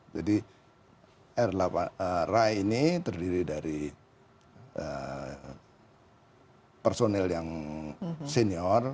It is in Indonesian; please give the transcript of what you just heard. jadi r delapan puluh ini terdiri dari personil yang senior